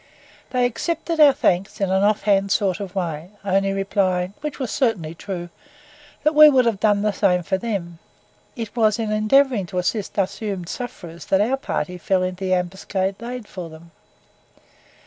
They accepted our thanks in an off hand sort of way, only replying which was certainly true "that we would have done the same for them." It was in endeavouring to assist assumed sufferers that our party fell into the ambuscade laid for them.